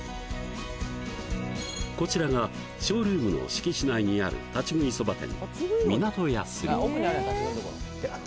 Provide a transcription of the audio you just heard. こちらがショールームの敷地内にある立ち食いそば店